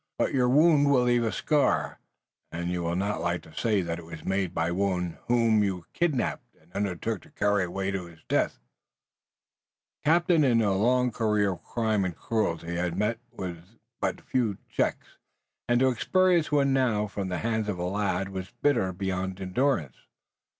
But your wound will leave a scar, and you will not like to say that it was made by one whom you kidnapped, and undertook to carry away to his death." The captain in a long career of crime and cruelty had met with but few checks, and to experience one now from the hands of a lad was bitter beyond endurance.